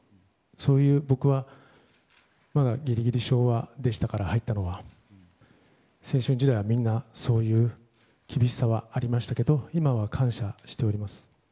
僕が入ったのはまだギリギリ昭和でしたから青春時代はみんなそういう厳しさはありましたけど今は感謝しております。